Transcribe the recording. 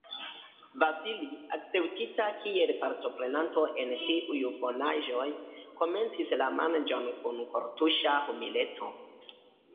Vasili, akceptita kiel partoprenanto en tiuj bonaĵoj, komencis la manĝon kun kortuŝa humileco.